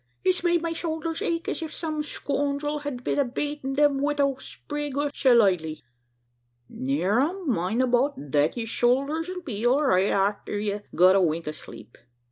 it's made my showlders ache, as if some skhoundrel had been batin' them wid a sprig ov shillaylah!" "Ne'er a mind 'bout thet! yer shoulders 'll be all right arter ye've got a wink o' sleep.